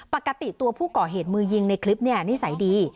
ปกติตัวผู้ก่อเหตุมือยิงในคลิปเนี่ยนิสัยดี